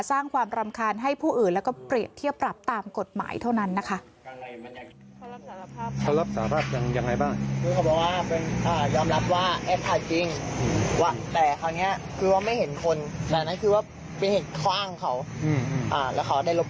สร้างความรำคาญให้ผู้อื่นแล้วก็เปรียบเทียบปรับตามกฎหมายเท่านั้นนะคะ